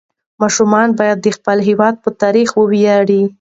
ماشومان باید د خپل هېواد په تاریخ وویاړي.